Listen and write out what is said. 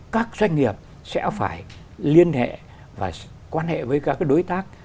các doanh nghiệp sẽ phải liên hệ và quan hệ với các đối tác